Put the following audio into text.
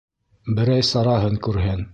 Берәй сараһын күрһен.